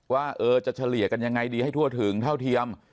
ว่าจะเฉลี่ยกันยังไงดีให้ทั่วถึงเท่าเทียม